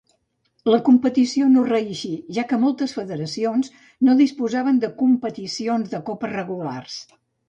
La competició no reeixí, ja que moltes federacions no disposaven de competicions de Copa regulars.